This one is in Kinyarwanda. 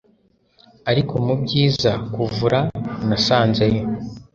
Ariko mubyiza kuvura nasanzeyo